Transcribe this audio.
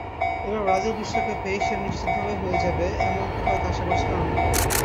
এবার ব্রাজিল বিশ্বকাপেই সেটা নিশ্চিতভাবে হয়ে যাবে, এমনটাই হয়তো আশা করেছিলেন অনেকে।